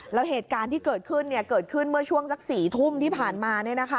แล้วเหตุการณ์ที่เกิดขึ้นเกิดขึ้นเมื่อช่วงสัก๔ทุ่มที่ผ่านมา